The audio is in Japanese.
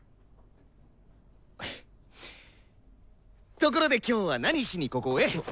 ところで今日は何しにここへ？